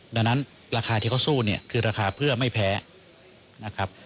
ดังนั้นราคาที่เขาสู้เนี่ยคือราคาเพื่อไม่แพ้นะครับ